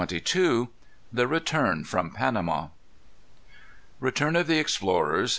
CHAPTER XXII. The Return from Panama. Return of the Explorers.